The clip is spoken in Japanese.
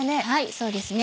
そうですね。